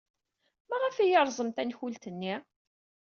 Maɣef ay yerẓem tankult-nni?